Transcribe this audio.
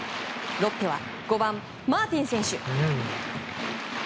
ロッテは５番、マーティン選手。